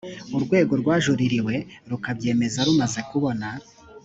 urwego rwajuririwe rukabyemeza rumaze kubona